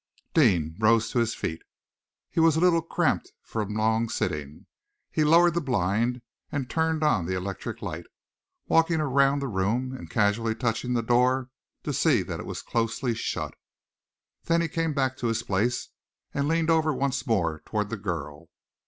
Deane rose to his feet, he was a little cramped from long sitting. He lowered the blind and turned on the electric light, walking around the room, and casually touching the door to see that it was closely shut. Then he came back to his place, and leaned over once more toward the girl.